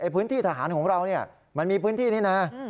พื้นที่ทหารของเรามันมีพื้นที่นี้นะ